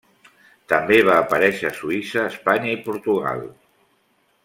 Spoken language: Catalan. També va aparèixer a Suïssa, Espanya i Portugal.